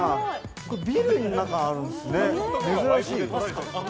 ビルの中にあるんですね。